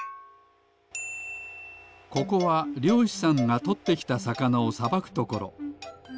ここはりょうしさんがとってきたさかなをさばくところ。